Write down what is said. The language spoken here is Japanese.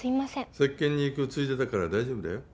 接見に行くついでだから大丈夫だよ